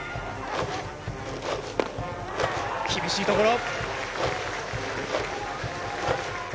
厳しいところ。